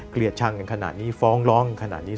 เกลียดชังอย่างขนาดนี้ฟ้องร้องอย่างขนาดนี้